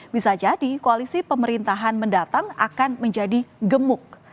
bisa jadi koalisi pemerintahan mendatang akan menjadi gemuk